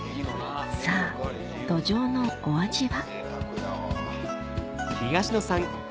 さぁどじょうのお味は？